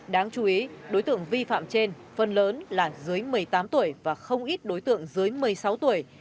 đáng chú ý đối tượng vi phạm trên phần lớn là dưới một mươi tám tuổi và không ít đối tượng dưới một mươi sáu tuổi